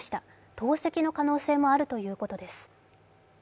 投石の可能性もあるということです。